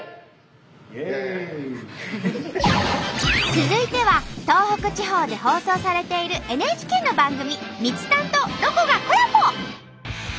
続いては東北地方で放送されているＮＨＫの番組「みちたん」と「ロコ」がコラボ！